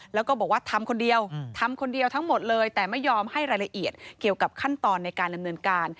แล้วก็บอกว่าทำคนเดียวทำคนเดียวทั้งหมดเลยแต่ไม่ยอมให้รายละเอียดเกี่ยวกับขั้นตอนในการดำเนินการ